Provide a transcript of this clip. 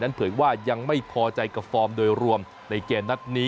เผยว่ายังไม่พอใจกับฟอร์มโดยรวมในเกมนัดนี้